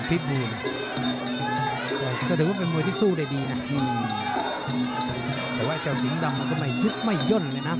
แต่ว่าเจ้าสิงส์ดำก็ยึดไม่ย่น